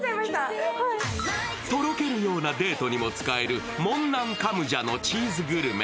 とろけるようなデートにも使えるモンナンカムジャのチーズグルメ。